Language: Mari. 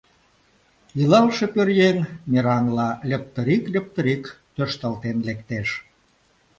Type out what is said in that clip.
Илалше пӧръеҥ мераҥла льыптырик-льыптырик тӧршталтен лектеш.